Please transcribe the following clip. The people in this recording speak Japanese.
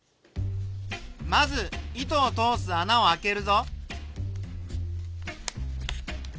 まず糸を通すあなをあけるぞ。